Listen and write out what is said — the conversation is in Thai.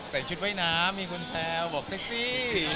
ใส่ชุดเว้ยน้ำมีคนแทรว์บอกเซ็กซี่